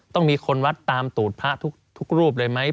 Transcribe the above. ต้องมีคนวัดตามตูดพระทุกรูปเลยไหม